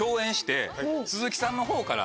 鈴木さんのほうから。